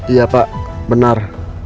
iya pak benar